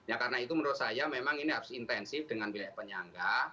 ya karena itu menurut saya memang ini harus intensif dengan wilayah penyangga